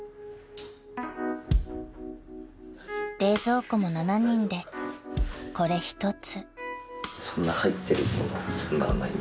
［冷蔵庫も７人でこれ１つ］